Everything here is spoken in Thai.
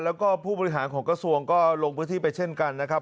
แล้วก็ผู้บริหารของกระทรวงก็ลงพื้นที่ไปเช่นกันนะครับ